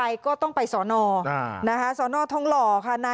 เยี่ยมมากครับ